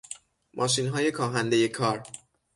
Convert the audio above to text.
ماشینهای کاهندهی کار